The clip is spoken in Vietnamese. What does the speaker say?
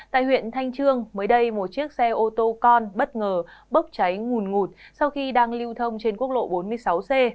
tại huyện thanh trương mới đây một chiếc xe ô tô con bất ngờ bốc cháy ngủn ngụt sau khi đang lưu thông trên quốc lộ bốn mươi sáu c